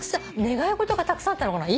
願い事がたくさんあったのかな？